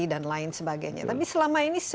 dan lain sebagainya tapi selama ini